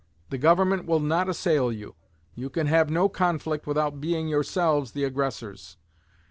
The Government will not assail you. You can have no conflict without being yourselves the aggressors.